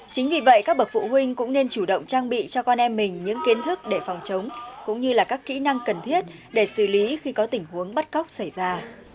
chính vì vậy các bậc phụ huynh cũng nên chủ động trang bị cho con em mình những kiến thức để phòng chống cũng như là các kỹ năng cần thiết để xử lý khi có tình huống bắt cóc xảy ra